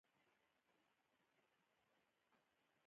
دا سند د یوې ادارې لخوا لیږل کیږي.